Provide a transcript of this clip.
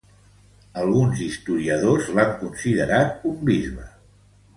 Alguns historiadors l'han considerat un bisbe.